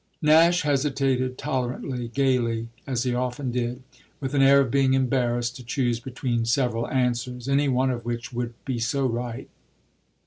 Nash hesitated, tolerantly, gaily, as he often did, with an air of being embarrassed to choose between several answers, any one of which would be so right.